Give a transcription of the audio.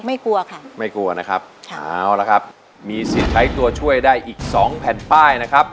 กลัวค่ะไม่กลัวนะครับค่ะเอาละครับมีสิทธิ์ใช้ตัวช่วยได้อีกสองแผ่นป้ายนะครับ